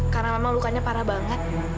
karena memang lukanya parah banget